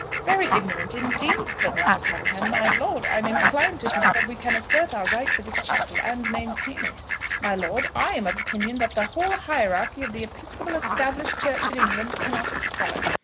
"Very ignorant, indeed," said Mr. Puddleham. "My lord, I am inclined to think that we can assert our right to this chapel and maintain it. My lord, I am of opinion that the whole hierarchy of the Episcopal Established Church in England cannot expel us.